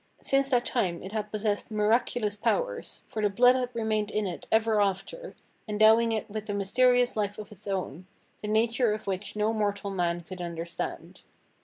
Since that time it had possessed miraculous powers, for the blood had remained in it ever after, endowing it with a mysterious life of its own, the nature of which no mortal man could understand.